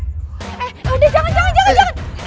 eh udah jangan jangan